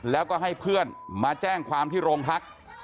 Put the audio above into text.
แล้วก็ให้เพื่อนมาแจ้งความที่โรงพัก